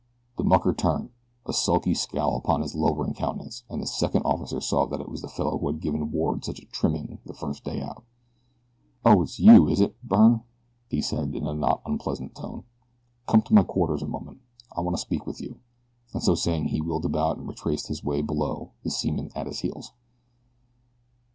The mucker turned, a sulky scowl upon his lowering countenance, and the second officer saw that it was the fellow who had given Ward such a trimming the first day out. "Oh, it's you is it, Byrne?" he said in a not unpleasant tone. "Come to my quarters a moment, I want to speak with you," and so saying he wheeled about and retraced his way below, the seaman at his heels.